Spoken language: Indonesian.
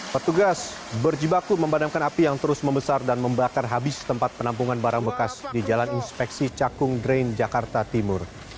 petugas berjibaku memadamkan api yang terus membesar dan membakar habis tempat penampungan barang bekas di jalan inspeksi cakung drain jakarta timur